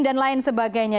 dan lain sebagainya